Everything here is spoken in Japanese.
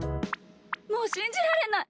もうしんじられない！